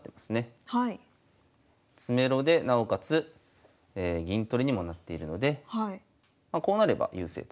詰めろでなおかつ銀取りにもなっているのでこうなれば優勢と。